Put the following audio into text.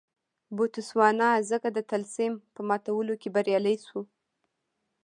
بوتسوانا ځکه د طلسم په ماتولو کې بریالۍ شوه.